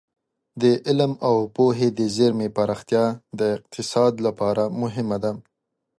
د علم او پوهې د زېرمې پراختیا د اقتصاد لپاره مهمه ده.